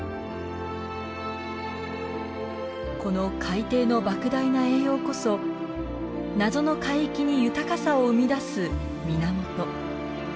この海底のばく大な栄養こそ謎の海域に豊かさを生み出す源。